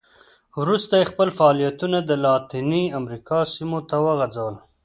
وروسته یې خپل فعالیتونه د لاتینې امریکا سیمو ته وغځول.